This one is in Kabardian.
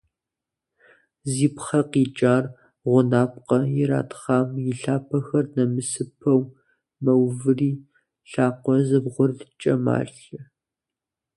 Зи пхъэ къикӀар гъунапкъэ иратхъам и лъапэхэр нэмысыпэу мэуври, лъакъуэ зэбгъурыткӀэ малъэ.